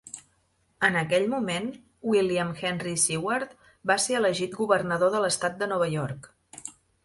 En aquell moment, William Henry Seward va ser elegit governador de l'estat de Nova York.